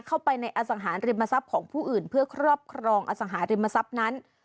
เข้าไปในอสังหาริมทรัพย์ของผู้อื่นเพื่อครอบครองอสังหาริมทรัพย์นั้น